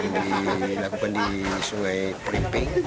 dilakukan di sungai perimping